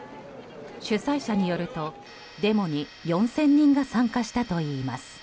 主催者によるとデモに４０００人が参加したといいます。